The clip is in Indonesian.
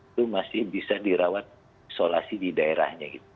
itu masih bisa dirawat isolasi di daerahnya gitu